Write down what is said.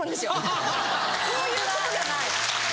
そういうことじゃない。